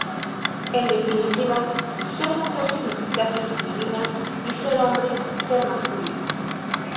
En definitiva, ser mujer significa ser femenina y ser hombre, ser masculino.